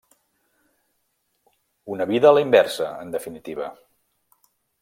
Una vida a la inversa, en definitiva.